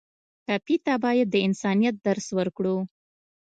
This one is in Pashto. ټپي ته باید د انسانیت درس ورکړو.